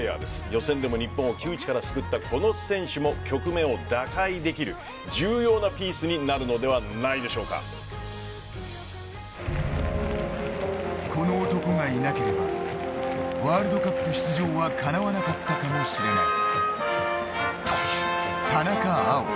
予選でも日本を窮地から救ったこの選手も局面を打開できる重要なピースにこの男がいなければワールドカップ出場はかなわなかったかもしれない。